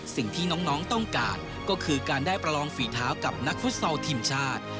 สิ่งที่น้องต้องการก็คือการได้ประลองฝีเท้ากับนักฟุตซอลทีมชาติ